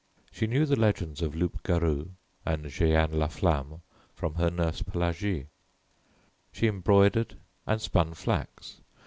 She knew the legends of Loup Garou and Jeanne la Flamme from her nurse Pelagie. She embroidered and spun flax.